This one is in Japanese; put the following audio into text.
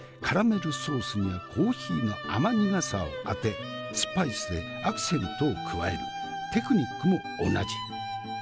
カラメルソースにはコーヒーの甘苦さをあてスパイスでアクセントを加えるテクニックも同じ。